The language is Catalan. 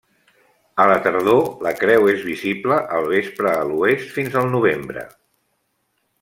A la tardor, la creu és visible al vespre a l'oest fins al novembre.